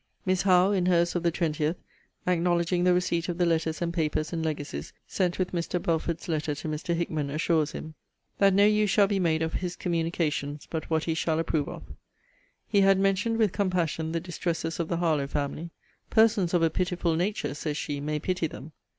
Miss Howe, in her's of the 20th, acknowledging the receipt of the letters, and papers, and legacies, sent with Mr. Belford's letter to Mr. Hickman, assures him, 'That no use shall be made of his communications, but what he shall approve of.' He had mentioned, with compassion, the distresses of the Harlowe family 'Persons of a pitiful nature, says she, may pity them.